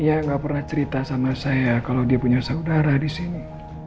ya nggak pernah cerita sama saya kalau dia punya saudara di sini